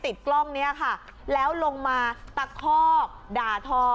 ติดกล้องนี้ค่ะแล้วลงมาตะคอกด่าทอ